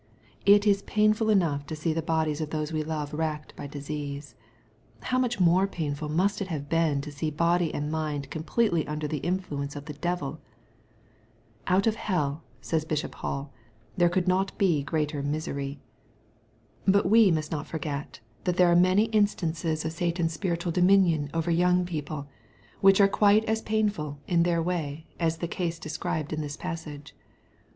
It is painful enough to see the bodies of those we love racked by dis ease. How much more painful must it have been to see body and mind completely under the influence of the devil. " Out of heU," says Bishop Hall, " there could not be geater misery." But we must not forget that there are many instances MATTHEW, CHAP. XVH. 211 of Satan's spiritual dominion over young people^ which are quite as painful, in their way, as the case desciihed in this passage.